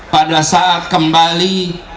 pada saat kembali